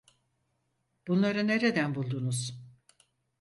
Bunları nereden buldunuz?